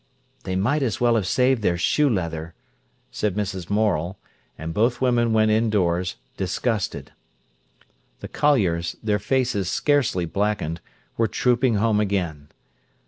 "They might as well have saved their shoe leather," said Mrs. Morel. And both women went indoors disgusted. The colliers, their faces scarcely blackened, were trooping home again.